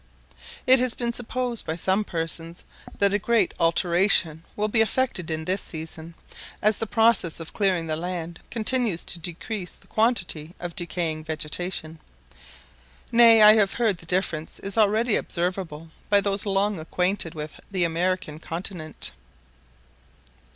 It has been supposed by some persons that a great alteration will be effected in this season, as the process of clearing the land continues to decrease the quantity of decaying vegetation. Nay, I have heard the difference is already observable by those long acquainted with the American continent.